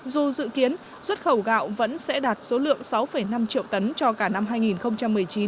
dù dự kiến xuất khẩu gạo vẫn sẽ đạt số lượng sáu năm triệu tấn cho cả năm hai nghìn một mươi chín